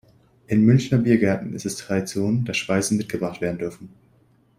In Münchner Biergärten ist es Tradition, dass Speisen mitgebracht werden dürfen.